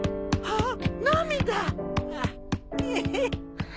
あっ。